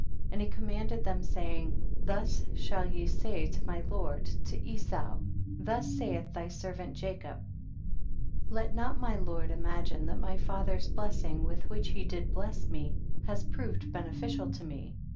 2. And he commanded them, say ing, thus shall ye say to my lord, "to Esau, thus saith thy servant Jacob, let not my lord imagine that my fath er's blessing with which he did bless me has proved beneficial to me.